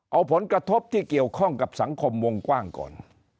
เอาผลกระทบที่เกี่ยวข้องกับสังคมวงกว้างก่อน